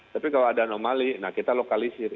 tapi kalau ada anomali nah kita lokalisir